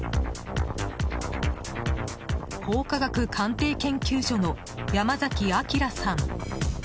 法科学鑑定研究所の山崎昭さん。